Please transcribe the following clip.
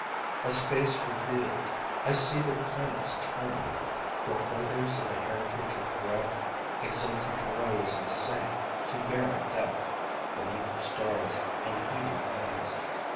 A space revealed, I see their planets turned, Where holders of the heritage of breath Exultant rose, and sank to barren death Beneath the stars' unheeding eyes.